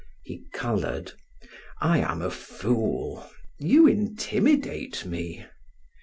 He colored. "I am a fool. You intimidate me."